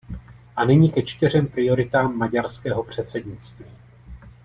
A nyní ke čtyřem prioritám maďarského předsednictví.